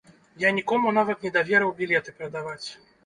Я нікому нават не даверыў білеты прадаваць.